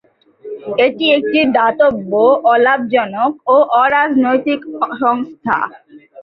এটি একটি দাতব্য, অলাভজনক ও অরাজনৈতিক সংস্থা।